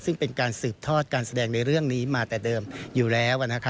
ซึ่งเป็นการสืบทอดการแสดงในเรื่องนี้มาแต่เดิมอยู่แล้ว